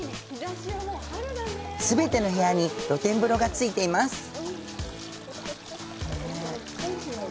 全ての部屋に露天風呂がついています。